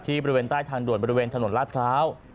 บริเวณใต้ทางด่วนบริเวณถนนลาดพร้าว